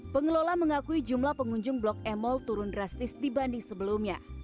pengelola mengakui jumlah pengunjung blok m mall turun drastis dibanding sebelumnya